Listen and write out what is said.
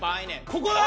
ここだ！